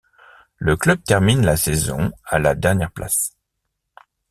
Le club termine la saison à la dernière place.